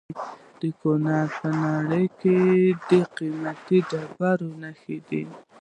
د کونړ په ناړۍ کې د قیمتي ډبرو نښې دي.